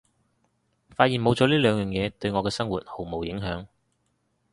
發現冇咗呢兩樣嘢對我嘅生活毫無影響